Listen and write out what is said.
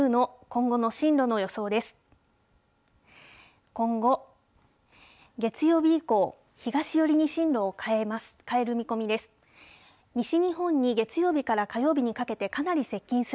今後、月曜日以降、東寄りに進路を変える見込みです。